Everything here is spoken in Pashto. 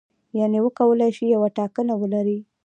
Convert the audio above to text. یعنې وکولای شي یوه ټاکنه ولري.